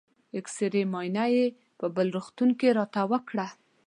د اېکسرې معاینه یې په بل روغتون کې راته وکړه.